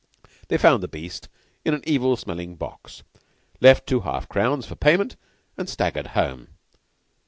They found the beast in an evil smelling box, left two half crowns for payment, and staggered home.